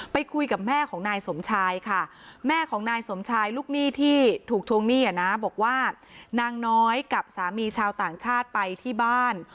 ไปคุยกับแม่ของนายสมชายค่ะแม่ของนายสมชายลูกหนี้ที่ถูกทวงหนี้นะบอกว่านางน้อยกับสามีชาวต่างชาติไปที่บ้าน